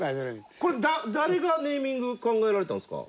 これ誰がネーミング考えられたんですか？